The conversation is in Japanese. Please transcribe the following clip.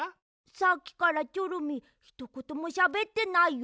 さっきからチョロミーひとこともしゃべってないよ。